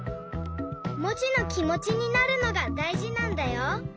モチのきもちになるのがだいじなんだよ。